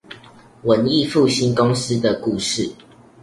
文藝復興公司的故事